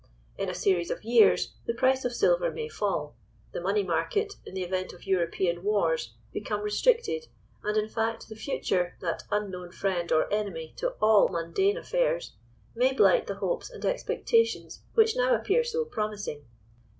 In a series of years, the price of silver may fall—the money market, in the event of European wars, become restricted, and in fact the future, that unknown friend or enemy to all mundane affairs, may blight the hopes and expectations which now appear so promising.